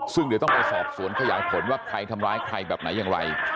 ซึ่งเดี๋ยวต้องไปสอบสวนขยายผลว่าใครทำร้ายใครแบบไหนอย่างไร